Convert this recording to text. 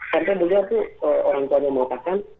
karena beliau tuh orang tua yang mau lakukan